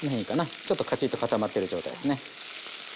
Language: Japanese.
ちょっとかちっと固まってる状態ですね。